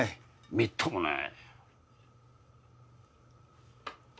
みっともない。